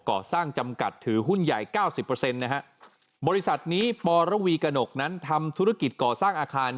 ก่อสร้างจำกัดถือหุ้นใหญ่๙๐บริษัทนี้ประวีกะหนกนั้นทำธุรกิจก่อสร้างอาคาร